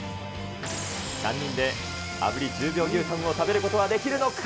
３人であぶり１０秒牛タンを食べることはできるのか？